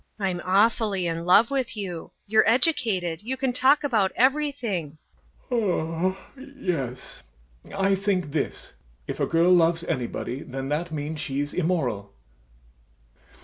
DUNYASHA. I'm awfully in love with you; you're educated, you can talk about everything. YASHA. Yes. I think this: if a girl loves anybody, then that means she's immoral.